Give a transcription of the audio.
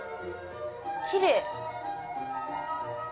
きれい。